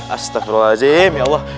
astagfirullahaladzim ya allah